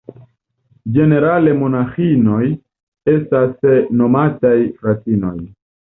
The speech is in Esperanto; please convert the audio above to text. Ĝenerale monaĥinoj estas nomataj "fratinoj".